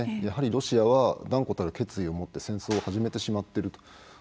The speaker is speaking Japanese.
やはり、ロシアは断固たる決意を持って戦争を始めてしまっていると。